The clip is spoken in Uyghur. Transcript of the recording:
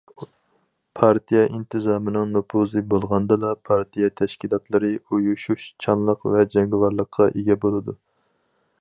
پارتىيە ئىنتىزامىنىڭ نوپۇزى بولغاندىلا، پارتىيە تەشكىلاتلىرى ئۇيۇشۇشچانلىق ۋە جەڭگىۋارلىققا ئىگە بولىدۇ.